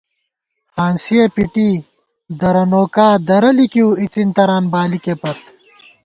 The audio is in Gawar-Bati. ہانسِیَہ پِٹی درہ نوکا ، درہ لِکِؤ څِن تران بالِکے پت